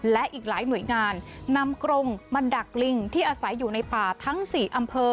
และอีกหลายหน่วยงานนำกรงมาดักลิงที่อาศัยอยู่ในป่าทั้ง๔อำเภอ